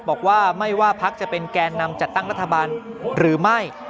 บอกว่าไม่ว่าพักจะเป็นแกนนำจัดตั้งรัฐบาลหรือไม่